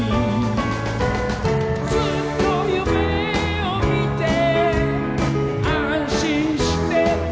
「ずっと夢を見て安心してた」